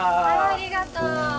ありがとう。